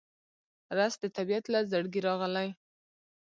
رس د طبیعت له زړګي راغلی